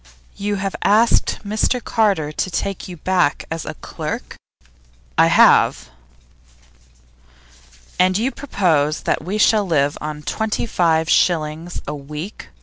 'You have asked Mr Carter to take you back as a clerk?' 'I have.' 'And you propose that we shall live on twenty five shillings a week?